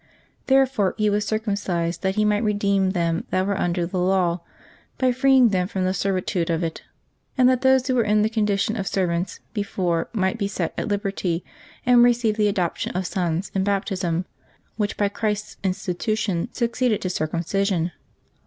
Therefore He was circumcised that He might redeem them that were under the law, by freeing them from the servitude of it; and that those who were in the condition of servants before might be set at liberty, and receive the adoption of sons in Baptism, which, by Christ's institution, succeeded to circumcision.